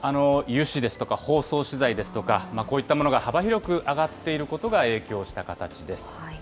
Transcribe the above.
油脂ですとか、包装資材ですとか、こういったものが幅広く上がっていることが影響した形です。